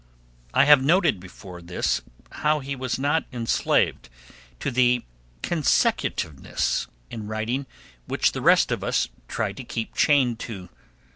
I have noted before this how he was not enslaved to the consecutiveness in writing which the rest of us try to keep chained to.